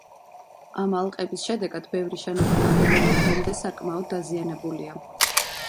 ამ ალყების შედეგად ბევრი შენობა-ნაგებობა დღემდე საკმაოდ დაზიანებულია.